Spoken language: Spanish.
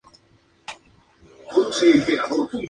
No pocas veces pasó hambre.